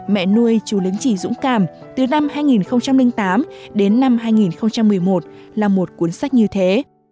mẹ nuôi chú lĩnh chỉ dũng cảm từ năm hai nghìn tám đến năm hai nghìn một mươi một là một cuốn sách như thế